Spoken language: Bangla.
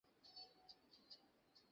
আল্লাহ তাদের প্রতি সন্তুষ্ট।